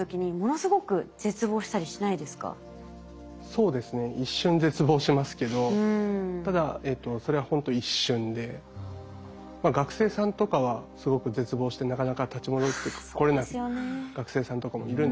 そうですね一瞬絶望しますけどただそれはほんと一瞬で学生さんとかはすごく絶望してなかなか立ち戻ってこれない学生さんとかもいるんですけど。